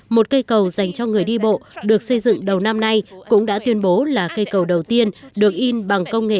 một cây cầu dành cho người đi bộ được xây dựng đầu năm nay cũng đã tuyên bố là cây cầu đầu tiên được in bằng công nghệ